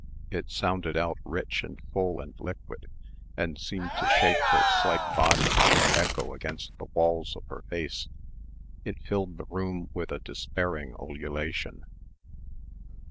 It sounded out rich and full and liquid, and seemed to shake her slight body and echo against the walls of her face. It filled the room with a despairing ululation.